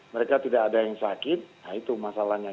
mereka tidak ada yang sakit nah itu masalahnya